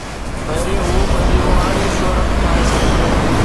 پهرين هو پنهنجي روحاني شهرت ٺاهي ٿو.